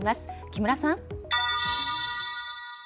木村さん。